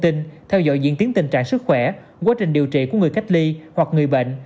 theo dõi diễn tiến tình trạng sức khỏe quá trình điều trị của người cách ly hoặc người bệnh